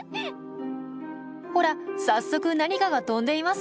ほら早速何かが飛んでいますよ。